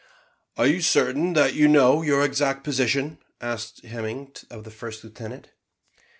"Are you certain that you know your exact position?" asked Hemming of the first lieutenant.